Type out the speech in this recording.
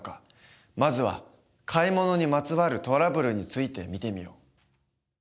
まずは買い物にまつわるトラブルについて見てみよう。